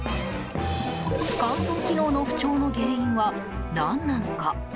乾燥機能の不調の原因は何なのか。